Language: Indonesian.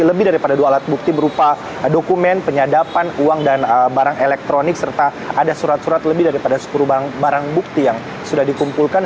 lebih daripada dua alat bukti berupa dokumen penyadapan uang dan barang elektronik serta ada surat surat lebih daripada sepuluh barang bukti yang sudah dikumpulkan